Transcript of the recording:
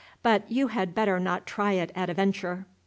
But you had better not try it at a venture.